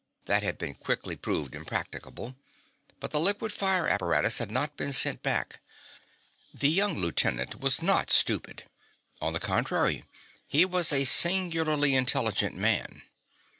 That had been quickly proven impracticable, but the liquid fire apparatus had not been sent back. The young lieutenant was not stupid. On the contrary, he was a singularly intelligent man.